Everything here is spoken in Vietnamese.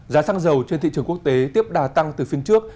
giá xăng dầu trên thị trường quốc tế tiếp đà tăng từ phiên trước